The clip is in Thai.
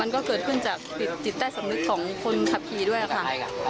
ก็เกิดขึ้นจากจิตใต้สำนึกของคนขับขี่ด้วยค่ะ